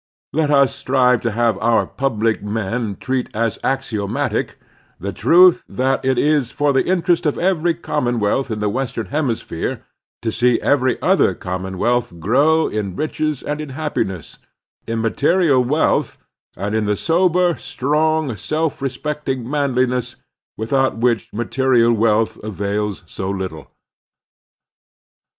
Let us strive to have our public men treat as axiomatic the truth that it is for the interest of every common wealth in the western hemisphere to see every other commonwealth grow in riches and in happi ness, in material wealth and in the sober, strong, self respecting manliness, without which material wealth avails so little.